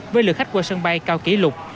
với lượng khách qua sân bay cao kỷ lục